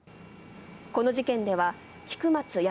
この事件では菊松安